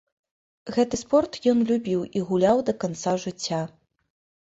Гэты спорт ён любіў і гуляў да канца жыцця.